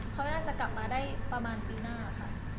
เขาน่าจะกลับมาได้ประมาณปีหน้าค่ะ